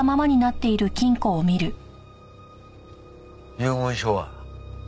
遺言書は？